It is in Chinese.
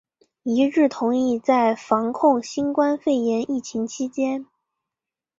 一致同意在防控新冠肺炎疫情期间